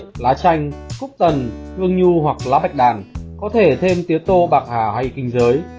lá sả lá bưởi lá chanh cúc tần hương nhu hoặc lá bạch đàn có thể thêm tiếng tô bạc hà hay kinh giới